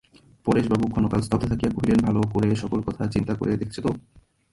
পরেশবাবু ক্ষণকাল স্তব্ধ থাকিয়া কহিলেন, ভালো করে সকল কথা চিন্তা করে দেখেছ তো?